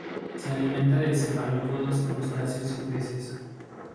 Se alimenta de cefalópodos, crustáceos y peces.